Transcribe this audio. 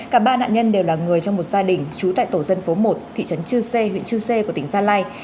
cả ba nạn nhân đều là người trong một gia đình trú tại tổ dân phố một thị trấn chư sê huyện chư sê của tỉnh gia lai